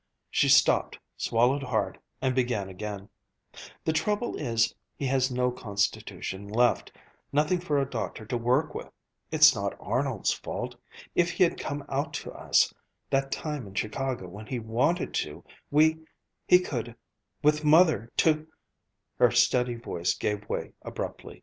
She stopped, swallowed hard, and began again: "The trouble is he has no constitution left nothing for a doctor to work with. It's not Arnold's fault. If he had come out to us, that time in Chicago when he wanted to we he could with Mother to " Her steady voice gave way abruptly.